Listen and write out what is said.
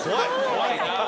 怖いな。